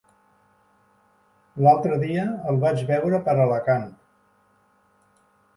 L'altre dia el vaig veure per Alacant.